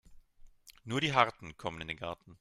Nur die Harten kommen in den Garten.